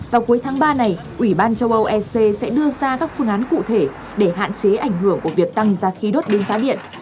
vào cuối tháng ba này ủy ban châu âu ec sẽ đưa ra các phương án cụ thể để hạn chế ảnh hưởng của việc tăng giá khí đốt đến giá điện